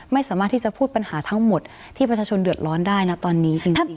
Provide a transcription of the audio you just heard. ไม่สามารถที่จะพูดปัญหาทั้งหมดที่ประชาชนเดือดร้อนได้นะตอนนี้จริง